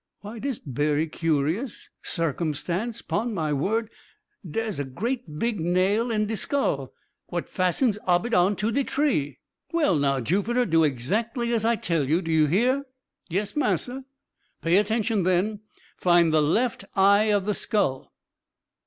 Why dis berry curious sarcumstance, pon my word dare's a great big nail in de skull, what fastens ob it on to de tree." "Well now, Jupiter, do exactly as I tell you do you hear?" "Yes, massa." "Pay attention, then find the left eye of the skull."